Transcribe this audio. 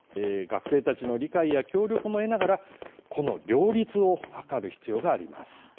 学生たちの理解や協力も得ながらこの両立を図る必要があります。